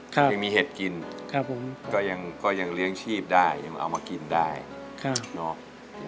ก็คือตอนนี้อยากจะขยายให้มันใหญ่ขึ้น